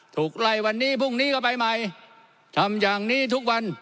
ถูกไล่วันนี้พรุ่งนี้ก็ไปใหม่ทำอย่างนี้ทุกวัน